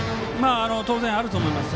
当然あると思います。